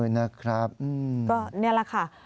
นี่แหละค่ะ